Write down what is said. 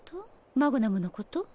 マグナムのこと？